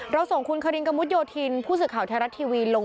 ส่งคุณคารินกระมุดโยธินผู้สื่อข่าวไทยรัฐทีวีลง